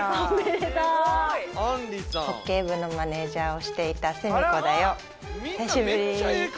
ホッケー部のマネジャーをしていた澄子だよ。